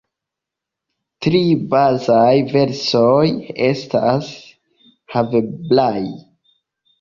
Tri bazaj versioj estas haveblaj.